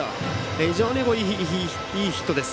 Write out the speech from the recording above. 非常にいいヒットです。